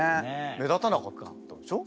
目立たなかったでしょ？